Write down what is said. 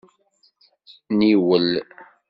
Niwel.